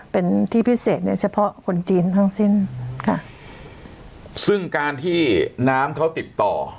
เป็นที่พิเศษในเฉพาะคนจีนทั้งสิ้นค่ะซึ่งการที่น้ำเขาติดต่อ